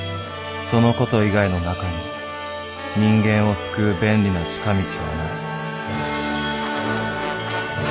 そのこと以外の中に人間を救う便利な近道はない」。